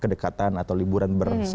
kedekatan atau liburan berat gitu ya